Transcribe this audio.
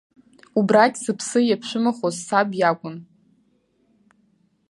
Убрагь сыԥсы иаԥшәмахоз саб иакәын.